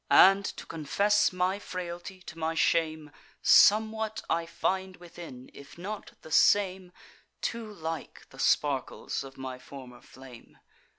And, to confess my frailty, to my shame, Somewhat I find within, if not the same, Too like the sparkles of my former flame.